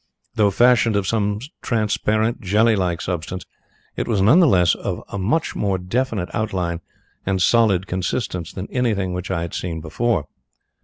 Though fashioned of some transparent, jelly like substance, it was none the less of much more definite outline and solid consistence than anything which I had seen before.